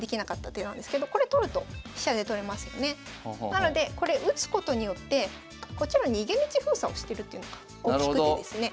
なのでこれ打つことによってこっちの逃げ道封鎖をしてるというのが大きくてですね。